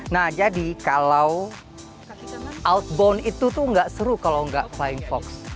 nah jadi kalau outbound itu tuh nggak seru kalau nggak flying fox